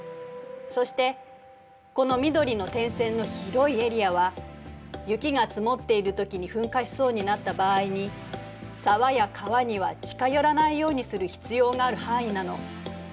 そしてこの緑の点線の広いエリアは雪が積もっているときに噴火しそうになった場合に沢や川には近寄らないようにする必要がある範囲なの。